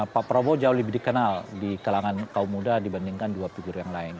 pak prabowo jauh lebih dikenal di kalangan kaum muda dibandingkan dua figur yang lain